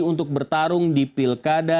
untuk bertarung di pilkada